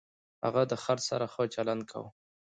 هغه د خر سره ښه چلند کاوه.